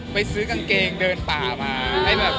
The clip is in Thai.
ไปซื้อกางเกงเดินป่ามา